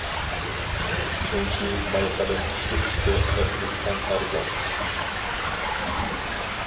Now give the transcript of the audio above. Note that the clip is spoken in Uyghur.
چۈنكى ماي قەلەم ئىشلىتىشكە ئەپلىك ھەم ئەرزان.